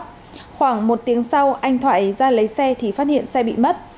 khoảng một tiếng sau anh thoại ra lấy xe thì phát hiện xe bị mất